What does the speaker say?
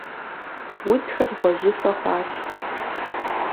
Удзхэр гъуэжьыфэ хъуащ.